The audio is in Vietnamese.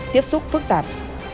tiếp xúc phức tạp